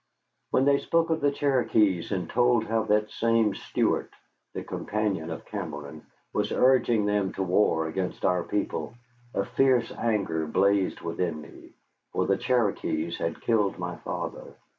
When they spoke of the Cherokees and told how that same Stuart the companion of Cameron was urging them to war against our people, a fierce anger blazed within me. For the Cherokees had killed my father.